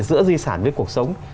giữa di sản với cuộc sống